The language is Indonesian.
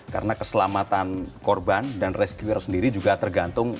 karena keselamatan korban dan rescuer sendiri juga tergantung